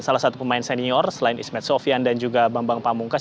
salah satu pemain senior selain ismed sofyan dan juga bambang pamungkas